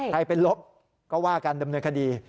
ใครเป็นลบก็ว่ากันดำเนินคดี